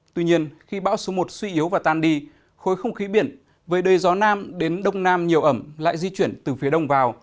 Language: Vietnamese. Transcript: tuy nhiên khi bão số một suy yếu và tan đi khối không khí biển với đời gió nam đến đông nam nhiều ẩm lại di chuyển từ phía đông vào